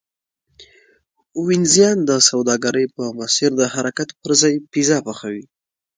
وینزیان د سوداګرۍ په مسیر د حرکت پرځای پیزا پخوي